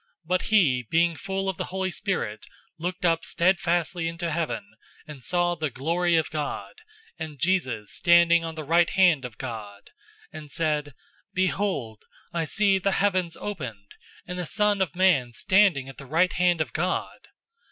007:055 But he, being full of the Holy Spirit, looked up steadfastly into heaven, and saw the glory of God, and Jesus standing on the right hand of God, 007:056 and said, "Behold, I see the heavens opened, and the Son of Man standing at the right hand of God!"